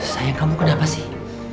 sayang kamu kenapa sih